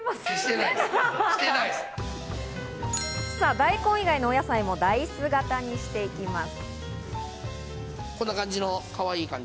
大根以外のお野菜もダイス型にしていきます。